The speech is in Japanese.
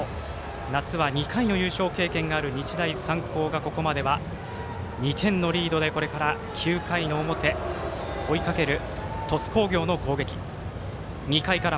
夏は２回の優勝経験がある日大三高がここまでは２点リードでこれから９回の表追いかける鳥栖工業の攻撃。